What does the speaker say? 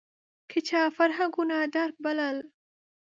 که چا فرهنګونو درک بلل